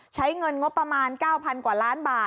ใช้เงินงบประมาณ๙๐๐กว่าล้านบาท